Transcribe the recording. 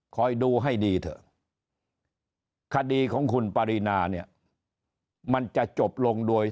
คอยดูให้ดีเถอะคดีของคุณปรินาเนี่ยมันจะจบลงโดย